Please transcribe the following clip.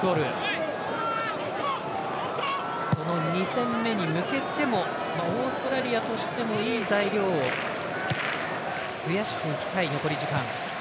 ２戦目に向けてもオーストラリアとしてはいい材料を増やしていきたい残り時間。